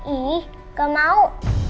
ih gak mau